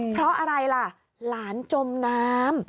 เพราะอะไรล่ะหลานจมน้ำ